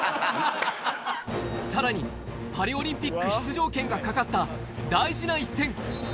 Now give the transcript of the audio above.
さらにパリオリンピック出場権がかかった大事な一戦。